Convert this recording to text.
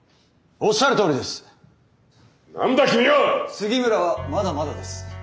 杉村はまだまだです。